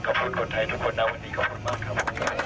ขอบคุณคนไทยทุกคนนะวันนี้ขอบคุณมากครับ